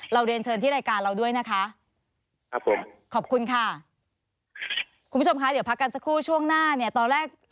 เราเรียนเชิญที่รายการเราด้วยนะคะครับผมขอบคุณค่ะคุณผู้ชมคะเดี๋ยวพักกันสักครู่ช่วงหน้าเนี่ยตอนแรก